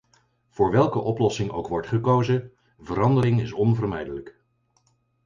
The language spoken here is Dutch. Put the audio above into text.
Voor welke oplossing ook wordt gekozen, verandering is onvermijdelijk.